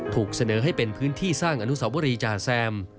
ถูกเสนอให้เป็นพื้นที่สร้างอนุสาวรีจ่าแซม